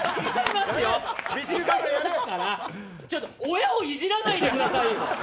親をいじらないでくださいよ。